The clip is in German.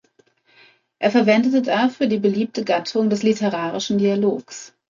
Er verwendete dafür die beliebte Gattung des literarischen Dialogs.